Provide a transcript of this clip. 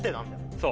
そう。